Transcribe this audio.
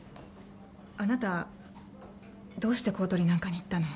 あなたどうして公取なんかに行ったの？